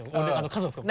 家族も。